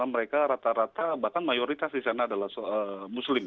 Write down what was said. mereka rata rata bahkan mayoritas di sana adalah muslim